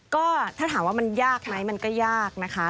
ก็ถ้าถามว่ามันยากไหมมันก็ยากนะคะ